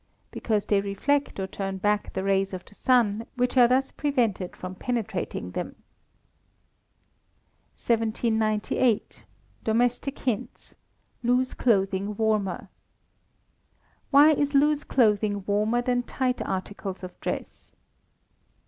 _ Because they reflect or turn back the rays of the sun, which are thus prevented from penetrating them. 1798. Domestic Hints (Loose Clothing Warmer). _Why is loose clothing warmer than tight articles of dress?